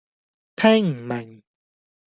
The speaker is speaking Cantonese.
聽唔明